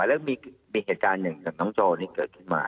แล้วก็มีเหตุการณ์อย่างน้องจอดนี่เกิดขึ้นมา